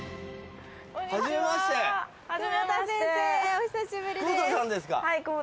お久しぶりです。